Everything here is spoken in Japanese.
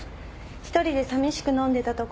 １人で寂しく飲んでたとこなの。